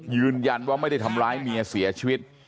ยืนยันว่าไม่ได้ทำร้ายเมียเสียชีวิต